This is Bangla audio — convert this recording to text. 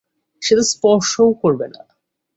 সে তো স্পর্শও করবে না।